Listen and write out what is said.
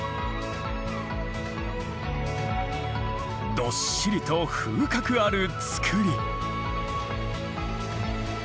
どっしりと風格ある造り。